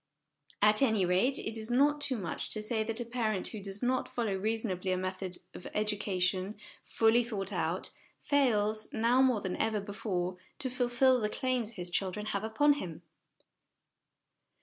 At any rate, it is not too much to say that a parent who does not follow reasonably a method of educa tion, fully thought out, fails now, more than ever before to fulfil the claims his children have upon him.